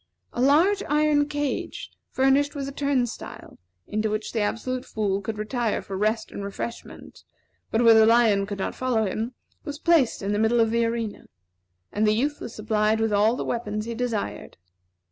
A large iron cage, furnished with a turnstile, into which the Absolute Fool could retire for rest and refreshment, but where the lion could not follow him, was placed in the middle of the arena, and the youth was supplied with all the weapons he desired.